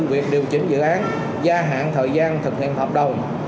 việc điều chỉnh dự án gia hạn thời gian thực hiện hợp đồng